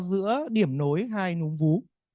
giữa điểm nối hai núm vú